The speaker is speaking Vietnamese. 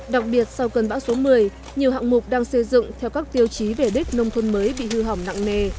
đặc biệt sau cơn bão số một mươi nhiều hạng mục đang xây dựng theo các tiêu chí về đích nông thôn mới bị hư hỏng nặng nề